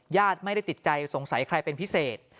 ญาติไม่ได้ติดใจสงสัยใครเป็นพิเศษ